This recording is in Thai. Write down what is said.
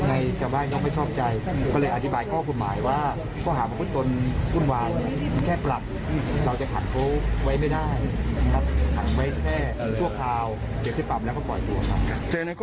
อ้าวที่ฟินปัญญาเขาอ่ะฮะ